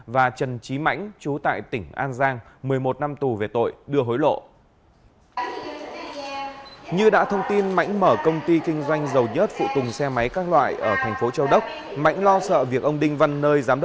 và trần trí mãnh chú tại tỉnh an giang một mươi một năm tù về tội đưa hối lộ